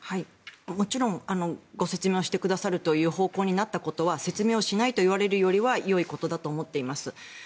もちろんご説明をしてくださるという方向になったことは説明をしないといわれるよりはよいことだと思っています。